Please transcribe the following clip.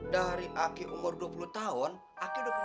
dari aki umur dua puluh tahun aki udah punya